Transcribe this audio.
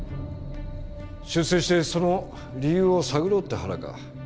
出世してその理由を探ろうって腹か。